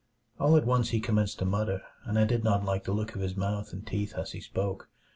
All at once he commenced to mutter, and I did not like the look of his mouth and teeth as he spoke.